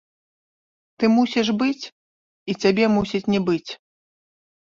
Ты мусіш быць і цябе мусіць не быць.